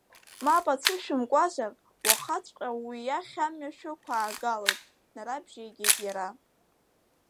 Мап ацәышәымкуазар, уахаҵәҟьа уи иахь амҩа шәықәаагалоит, нарабжьеигеит иара.